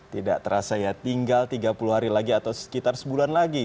tidak terasa ya tinggal tiga puluh hari lagi atau sekitar sebulan lagi